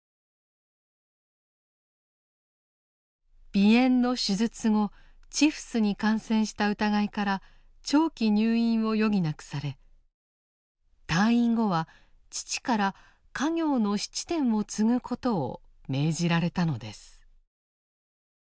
鼻炎の手術後チフスに感染した疑いから長期入院を余儀なくされ退院後は父から家業の質店を継ぐことを命じられたのです。